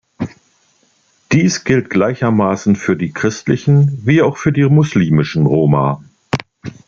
Dies gilt gleichermaßen für die christlichen wie auch für die muslimischen Roma.